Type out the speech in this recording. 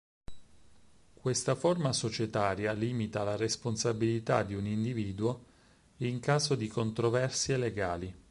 Questa forma societaria, limita la responsabilità di un individuo in caso di controversie legali.